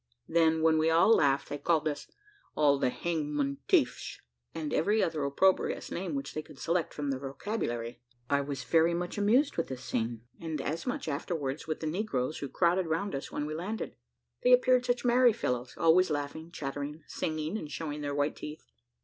Then, when we all laughed, they called us `_all the hangman tiefs_,' and every other opprobrious name which they could select from their vocabulary. I was very much amused with this scene, and as much afterwards with the negroes who crowded round us when we landed. They appeared such merry fellows, always laughing, chattering, singing and showing their white teeth.